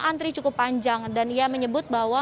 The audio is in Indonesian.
antri cukup panjang dan ia menyebut bahwa